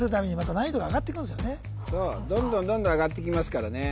そうどんどんどんどん上がってきますからね